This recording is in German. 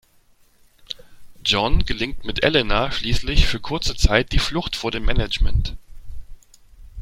John gelingt mit Elena schließlich für kurze Zeit die Flucht vor dem Management.